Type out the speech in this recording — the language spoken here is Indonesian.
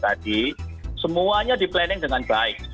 jadi semuanya di planning dengan baik